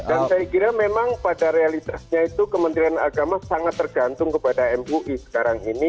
dan saya kira memang pada realitasnya itu kementerian agama sangat tergantung kepada mui sekarang ini